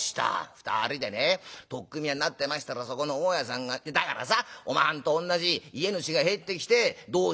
「二人でね取っ組み合いになってましたらそこの大家さんがだからさおまはんと同じ家主が入ってきて『どうした？』